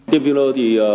tiêm filler thì